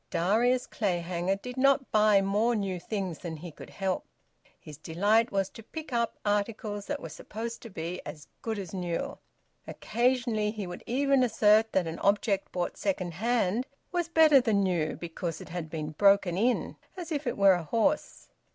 Darius Clayhanger did not buy more new things than he could help. His delight was to `pick up' articles that were supposed to be `as good as new'; occasionally he would even assert that an object bought second hand was `better than new,' because it had been `broken in,' as if it were a horse.